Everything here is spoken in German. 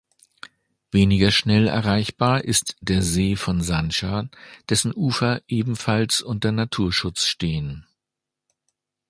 Weniger schnell erreichbar ist der See von Sancha, dessen Ufer ebenfalls unter Naturschutz stehen.